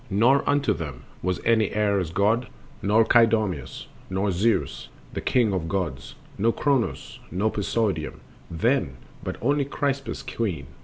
Nor unto them Was any Ares god, nor Kydoimos, Nor Zeus, the king of gods, nor Kronos, nor Poseidon then, but only Kypris queen...